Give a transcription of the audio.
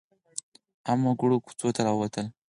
عامو وګړو کوڅو ته راووتل.